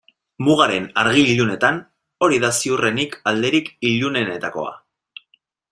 Mugaren argi-ilunetan hori da ziurrenik alderik ilunenetakoa.